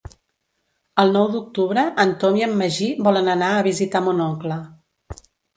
El nou d'octubre en Tom i en Magí volen anar a visitar mon oncle.